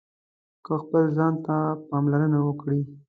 که خپل ځان ته پاملرنه وکړئ